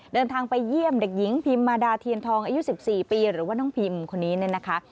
เดินทางไปเยี่ยมเด็กหญิงพิมมาดาเทียนทองอายุ๑๔ปีหรือว่าน้องพิมคนนี้เนี่ยนะคะ